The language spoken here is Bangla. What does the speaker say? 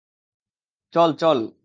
চল, চল।